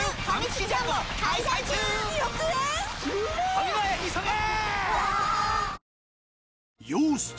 ファミマへ急げ！！